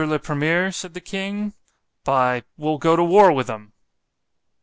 le Premier, said the king, by——we'll go to war with 'em.